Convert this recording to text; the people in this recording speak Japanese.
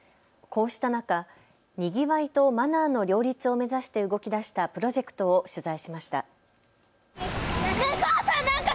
こうした中、にぎわいとマナーの両立を目指して動き出したプロジェクトを取材しました。